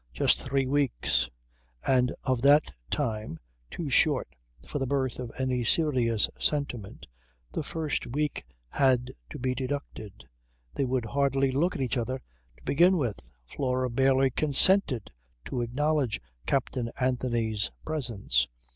Just three weeks. And of that time, too short for the birth of any serious sentiment, the first week had to be deducted. They would hardly look at each other to begin with. Flora barely consented to acknowledge Captain Anthony's presence.